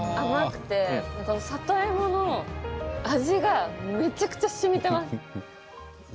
で、この里芋の味がめちゃくちゃ、しみてます。